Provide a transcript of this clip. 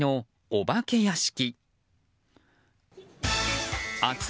お化け屋敷。